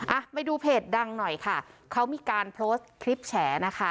อ่ะไปดูเพจดังหน่อยค่ะเขามีการโพสต์คลิปแฉนะคะ